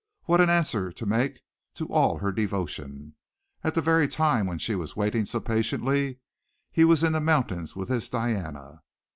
What an answer to make to all her devotion! At the very time when she was waiting so patiently, he was in the mountains with this Diana.